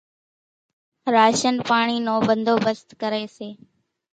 راشنَ پاڻِي نو ڀنڌوڀست ڪريَ سي۔